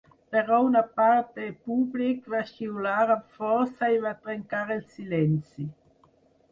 Però una part de públic va xiular amb força i va trencar el silenci.